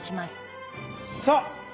さあ！